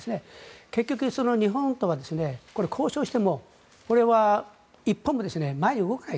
結局、日本とは交渉してもこれは一歩も前に動かない。